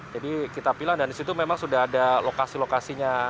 jadi kita pilah dan di situ memang sudah ada lokasi lokasinya